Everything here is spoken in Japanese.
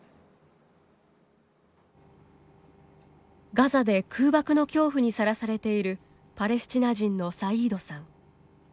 ガザで空爆の恐怖にさらされているパレスチナ人のサイードさん。